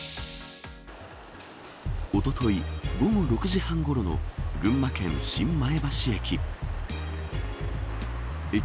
おととい、午後６時半ごろの群馬県新前橋駅。